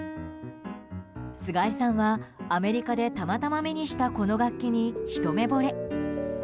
菅井さんはアメリカでたまたま目にしたこの楽器に、ひと目ぼれ。